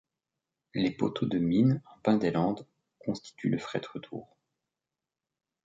Les poteaux de mine en pin des Landes constitue le fret retour.